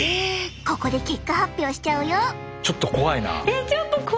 ここで結果発表しちゃうよ！